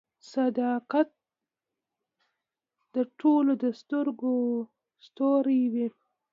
• صداقت د ټولو د سترګو ستوری وي.